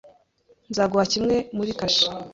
Nzaguha kimwe muri kashe.